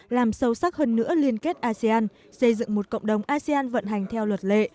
làm sâu sắc hơn nữa liên kết asean xây dựng một cộng đồng asean vận hành theo luật lệ